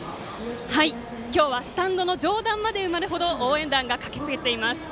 今日はスタンドの上段まで埋まるほど応援団が駆けつけています。